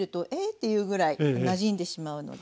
ていうぐらいなじんでしまうので。